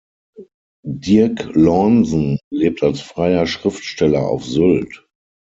Dirk Lornsen lebt als freier Schriftsteller auf Sylt.